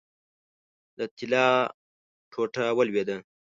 د طلا ټوټه ولوېده.